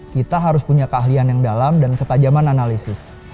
kita harus punya keahlian yang dalam dan ketajaman analisis